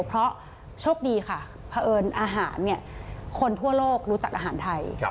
เพราะโชคดีค่ะเพราะเอิญอาหารคนทั่วโลกรู้จักอาหารไทย